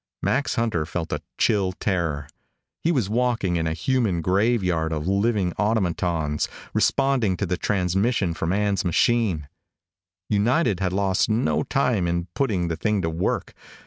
Max Hunter felt a chill of terror. He was walking in a human graveyard of living automatons, responding to the transmission from Ann's machine. United had lost no time in putting the thing to work.